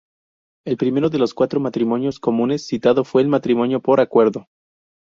El primero de los cuatro matrimonios comunes citado fue el matrimonio por acuerdo.